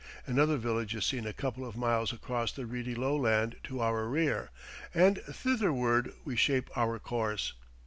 Another village is seen a couple of miles across the reedy lowland to our rear, and thitherward we shape our course.